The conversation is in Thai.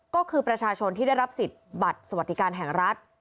ก็คือประชาชนที่ได้รับสิทธิ์บัตรสวัสดิการแห่งรัฐ